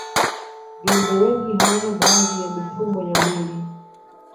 viumbe wengi hawana baadhi ya mifumo ya mwili